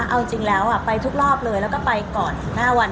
เอาจริงแล้วไปทุกรอบเลยแล้วก็ไปก่อนหน้าวัน